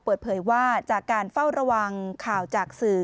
เปิดเผยว่าจากการเฝ้าระวังข่าวจากสื่อ